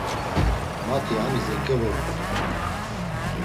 Mati hanis eǩevourt̆i.